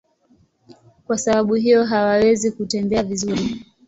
Kwa sababu hiyo hawawezi kutembea vizuri.